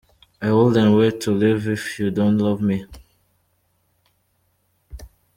I Wouldn’t Want to Live If You Don’t Love Me.